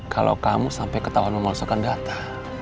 kalau kamu sampai ketahuan memalsukan data